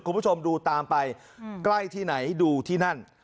คุณผู้ชมดูตามไปใกล้ที่ไหนดูที่นั่น